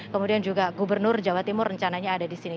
kemudian juga gubernur jawa timur rencananya ada di sini